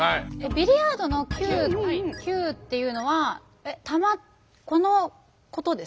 ビリヤードのキューキューっていうのは球このことですか？